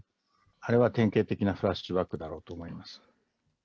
あれは典型的なフラッシュバックだろうと思います。